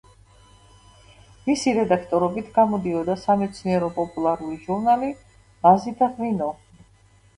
მისი რედაქტორობით გამოდიოდა სამეცნიერო-პოპულარული ჟურნალი „ვაზი და ღვინო“.